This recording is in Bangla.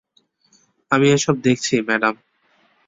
আমি এসব দেখছি, ম্যাডাম।